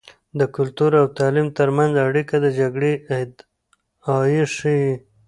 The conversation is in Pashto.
د کلتور او تعليم تر منځ اړیکه د جګړې ادعایی شې.